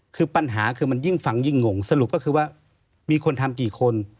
คือปัญหาคือมันยิ่งฟังยิ่งงงสรุปก็คือว่ามีคนทำกี่คน